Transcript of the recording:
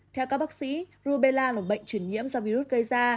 theo các bác sĩ rubella là một bệnh truyền nhiễm do virus gây ra